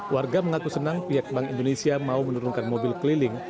warga mengaku senang pihak bank indonesia mau menurunkan mobil keliling